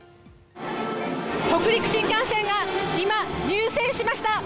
北陸新幹線が今、入線しました。